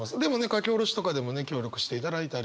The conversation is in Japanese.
書き下ろしとかでもね協力していただいたり。